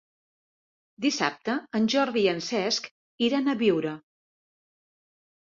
Dissabte en Jordi i en Cesc iran a Biure.